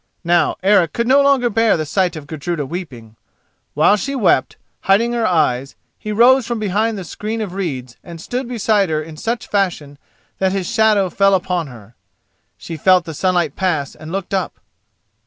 Now Eric could no longer bear the sight of Gudruda weeping. While she wept, hiding her eyes, he rose from behind the screen of reeds and stood beside her in such fashion that his shadow fell upon her. She felt the sunlight pass and looked up.